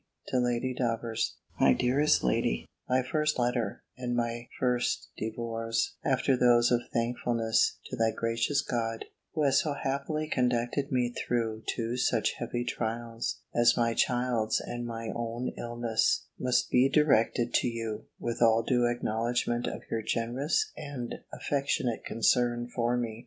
to Lady Davers_. MY DEAREST LADY, My first letter, and my first devoirs, after those of thankfulness to that gracious God, who has so happily conducted me through two such heavy trials, as my child's and my own illness, must be directed to you, with all due acknowledgment of your generous and affectionate concern for me.